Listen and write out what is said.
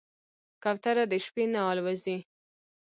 کوتره د شپې نه الوزي.